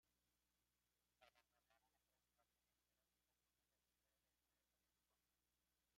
El amueblado decorativo tiene numerosos fragmentos de figuras realizadas con estuco.